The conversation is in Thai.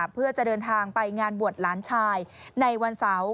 เพื่อจะเดินทางไปงานบวชหลานชายในวันเสาร์